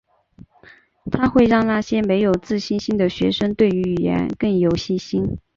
它会让那些没有自信心的学生对于语言更有信心。